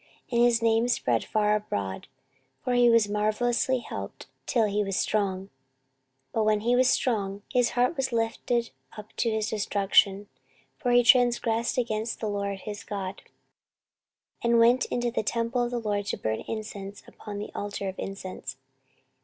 And his name spread far abroad; for he was marvellously helped, till he was strong. 14:026:016 But when he was strong, his heart was lifted up to his destruction: for he transgressed against the LORD his God, and went into the temple of the LORD to burn incense upon the altar of incense.